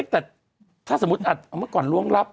แต่ถ้าสมมุติเมื่อก่อนล้วงรับ